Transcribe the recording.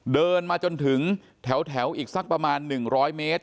เดินมาจนถึงแถวอีกสักประมาณ๑๐๐เมตร